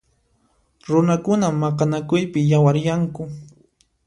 Runakuna maqanakuypi yawaryanku.